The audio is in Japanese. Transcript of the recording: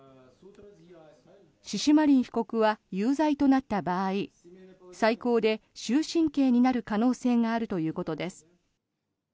シシマリン被告は有罪となった場合最高で終身刑になる可能性があるということです。